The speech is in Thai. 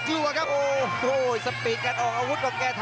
ก็จะรับช่วยที่สวัสดี